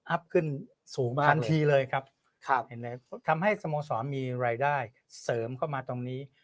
อัพขึ้นสูงมากทันทีเลยครับครับเห็นเลยพอทำให้สมสรรค์มีรายได้เสริมเข้ามาตรงนี้